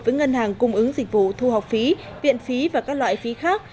với ngân hàng cung ứng dịch vụ thu học phí viện phí và các loại phí khác